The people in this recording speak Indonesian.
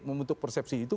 membentuk persepsi itu